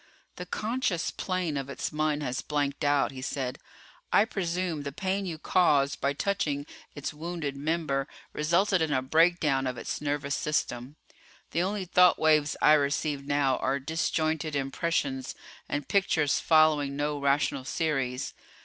"The conscious plane of its mind has blanked out," he said. "I presume the pain you caused by touching its wounded member resulted in a breakdown of its nervous system. The only thought waves I receive now are disjointed impressions and pictures following no rational series.